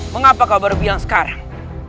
mengapa kau baru bilang sekarang